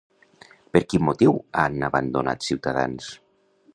Per quin motiu han abandonat Ciutadans?